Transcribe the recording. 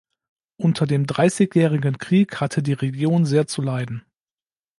Unter dem Dreißigjährigen Krieg hatte die Region sehr zu leiden.